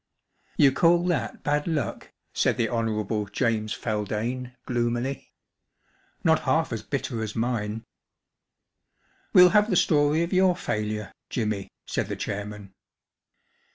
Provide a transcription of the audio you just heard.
1 " You call that bad luck ? p * said the Hon, James Fcldame* gloomily. M Not hall as bitter as mine/' Well have the story of your failure, Jimmy," said the chairman.